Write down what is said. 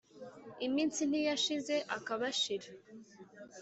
iminsi ntiyashize akabashira